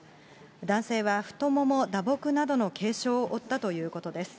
男性は太ももを打撲などの軽傷を負ったということです。